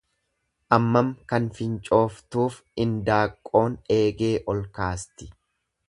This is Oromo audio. Ammam kan fincooftuuf indaaqqoon eegee ol kaasti?